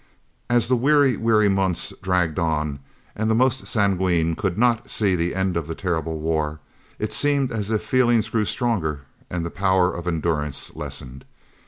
As the weary, weary months dragged on, and the most sanguine could not see the end of the terrible war, it seemed as if feeling grew stronger and the power of endurance lessened.